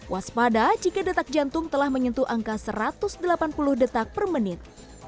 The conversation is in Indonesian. waspada jika detak jantung telah menyentuh angka satu ratus delapan puluh detak per menit